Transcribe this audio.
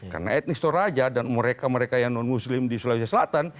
karena etnis toraja dan mereka mereka yang non muslim di sulawesi selatan